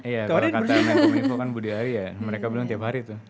iya kalau kata kominfo kan budi hari ya mereka bilang tiap hari itu